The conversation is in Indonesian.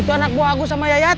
itu anak buah agus sama yayat